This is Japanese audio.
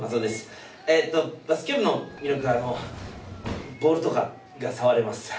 えっとバスケ部の魅力はあのボールとかがさわれます。